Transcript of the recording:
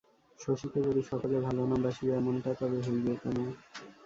শশীকে যদি সকলে ভালো না বাসিবে এমনটা তবে হইবে কেন?